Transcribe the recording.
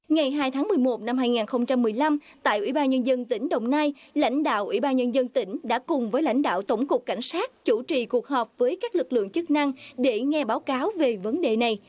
ngày hai tháng một mươi một năm hai nghìn một mươi năm tại ủy ban nhân dân tỉnh đồng nai lãnh đạo ủy ban nhân dân tỉnh đã cùng với lãnh đạo tổng cục cảnh sát chủ trì cuộc họp với các lực lượng chức năng để nghe báo cáo về vấn đề này